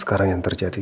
sekarang yang terjadi